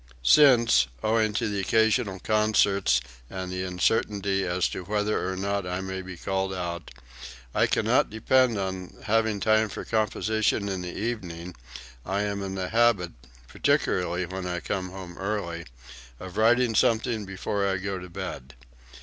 Since (owing to the occasional concerts and the uncertainty as to whether or not I may be called out) I can not depend on having time for composition in the evening, I am in the habit (particularly when I come home early) of writing something before I go to bed.